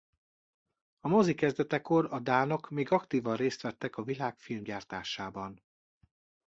A mozi kezdetekor a dánok még aktívan részt vettek a világ filmgyártásában.